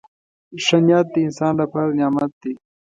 • ښه نیت د انسان لپاره نعمت دی.